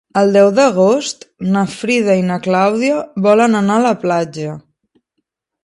El deu d'agost na Frida i na Clàudia volen anar a la platja.